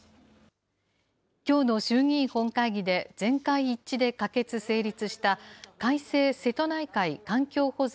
きょうの衆議院本会議で全会一致で可決・成立した、改正瀬戸内海環境保全